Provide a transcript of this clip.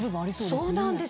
そうなんです